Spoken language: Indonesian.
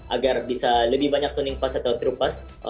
agar bisa lebih banyak toning pas atau truk pas